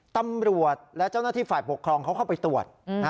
ตำรวจและเจ้าหน้าที่ฝ่ายปกครองเขาเข้าไปตรวจ